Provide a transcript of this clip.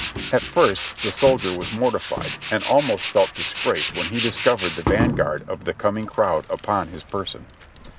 At first the soldier was mortified and almost felt disgraced when he discovered the van guard of the coming crowd upon his per son.